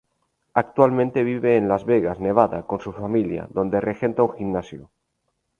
Actualmente vive en Las Vegas, Nevada, con su familia, donde regenta un gimnasio.